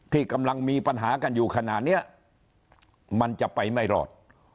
ที่กำลังมีปัญหากันอยู่ขณะนี้มันจะไปไม่รอด